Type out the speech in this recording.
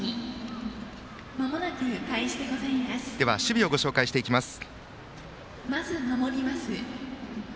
では守備をご紹介します。